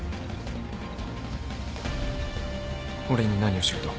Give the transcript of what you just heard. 俺に何をしろと？